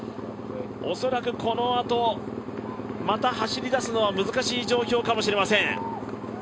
恐らくこのあと、また走り出すのは難しい状況かもしれません。